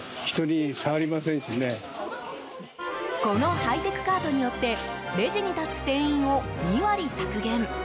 このハイテクカートによってレジに立つ店員を２割削減。